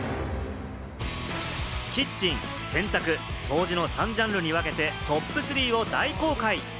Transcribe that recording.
キッチン、洗濯、掃除の３ジャンルに分けてトップ３を大公開！